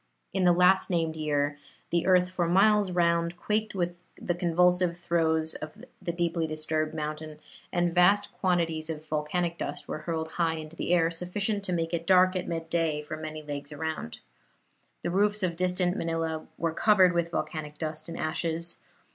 In the last named year the earth for miles round quaked with the convulsive throes of the deeply disturbed mountain, and vast quantities of volcanic dust were hurled high into the air, sufficient to make it dark at midday for many leagues around. The roofs of distant Manila were covered with volcanic dust and ashes.